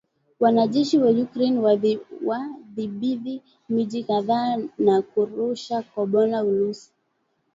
Wanajeshi wa Ukraine wadhibithi miji kadhaa na kurusha Kombora Urusi